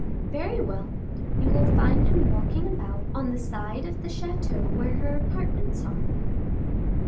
"Very well; you will find him walking about on the side of the chateau where her apartments are."